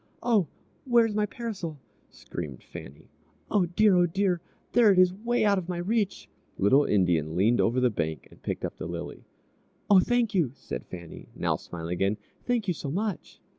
"Oh, where's my parasol?" screamed Fannie. "Oh, dear! oh, dear! there it is, 'way out of my reach!" Little Indian leaned over the bank and picked up the lily. "Oh, thank you!" said Fannie, now smiling again; "thank you so much!"